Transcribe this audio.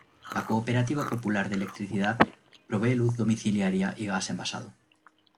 La Cooperativa Popular de Electricidad, provee luz domiciliaria y gas envasado.